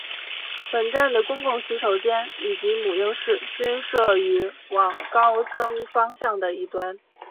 本站的公共洗手间以及母婴室均设于往高增方向的一端。